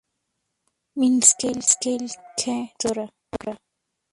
Mikkelsen K,traductora.